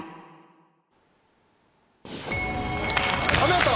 お見事！